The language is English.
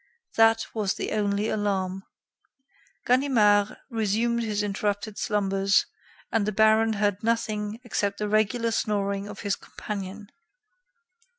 That was the only alarm. Ganimard resumed his interrupted slumbers, and the baron heard nothing except the regular snoring of his companion.